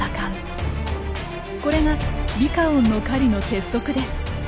これがリカオンの狩りの鉄則です。